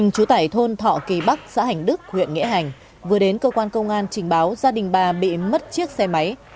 chú tải thôn thọ kỳ bắc xã hành đức huyện nghĩa hành vừa đến cơ quan công an trình báo gia đình bà bị mất chiếc xe máy